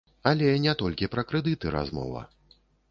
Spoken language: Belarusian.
Але не толькі пра крэдыты размова.